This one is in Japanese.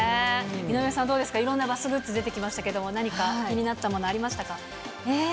井上さん、どうですか、いろんなバスグッズ出てきましたけれども、何か気になったものありましたか？